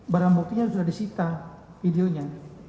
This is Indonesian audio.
barang buktinya sudah disita videonya